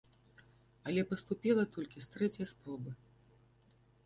Але паступіла толькі з трэцяй спробы.